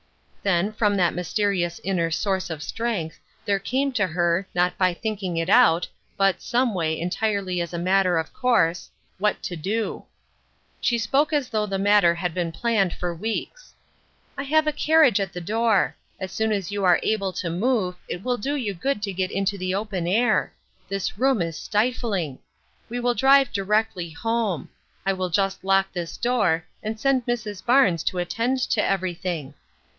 Then, from that mysterious inner Source of Strength, there came to her, not by thinking it out, but, someway, entirely as a matter of course, what to do. She spoke as though the matter had been planned for weeks. " I have a carriage at the door ; as soon as you are able to move, it will do you good to get into the open air. This room is stifling. We will drive directly home. I will just lock this door, and send Mrs. Barnes to attend to everything.